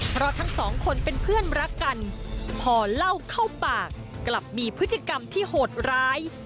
เพราะทั้งสองคนเป็นเพื่อนรักกันพอเล่าเข้าปากกลับมีพฤติกรรมที่โหดร้าย